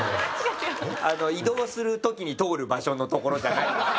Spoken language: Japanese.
移動する時に通る場所の所じゃないんです。